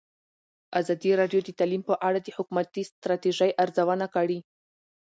ازادي راډیو د تعلیم په اړه د حکومتي ستراتیژۍ ارزونه کړې.